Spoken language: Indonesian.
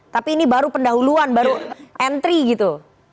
tapi ini baru pendahuluan baru entry gitu